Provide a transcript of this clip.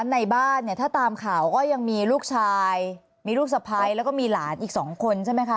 ในบ้านเนี่ยถ้าตามข่าวก็ยังมีลูกชายมีลูกสะพ้ายแล้วก็มีหลานอีก๒คนใช่ไหมคะ